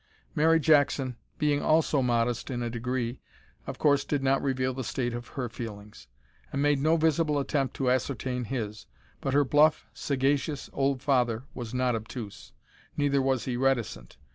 Mary Jackson, being also modest in a degree, of course did not reveal the state of her feelings, and made no visible attempt to ascertain his, but her bluff sagacious old father was not obtuse neither was he reticent.